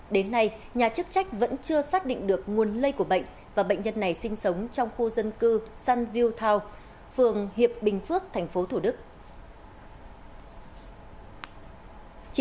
đến nay nhà chức trách vẫn chưa xác định được nguồn lây của bệnh và bệnh nhân này sinh sống trong khu dân cư sunview town phường hiệp bình phước thành phố thủ đức